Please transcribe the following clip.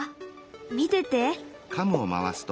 見てて。